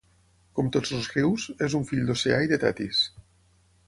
Com tots els rius, és un fill d'Oceà i de Tetis.